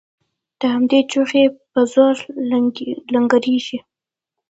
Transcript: د همدې چوخې په زور لنګرچلیږي